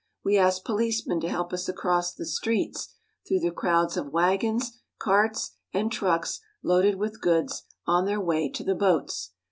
We ask poHcemen to help us across the streets through the crowds of wagons, carts, and trucks loaded with goods on their way to the boats.